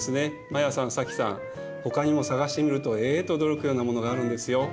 マヤさん早紀さんほかにも探してみるとえって驚くようなものがあるんですよ。